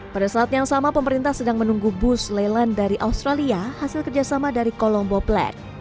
pada saat yang sama pemerintah sedang menunggu bus lelan dari australia hasil kerjasama dari kolombo plan